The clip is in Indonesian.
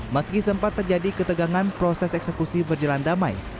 meski sempat terjadi ketegangan proses eksekusi berjalan damai